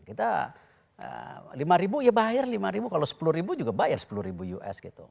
kita rp lima ya bayar rp lima kalau rp sepuluh juga bayar rp sepuluh gitu